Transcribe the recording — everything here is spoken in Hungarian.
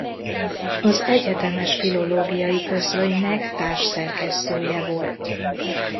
Az Egyetemes Philologiai Közlönynek társszerkesztője volt.